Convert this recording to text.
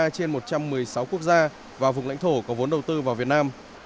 trên một trăm một mươi sáu quốc gia và vùng lãnh thổ có vốn đầu tư vào việt nam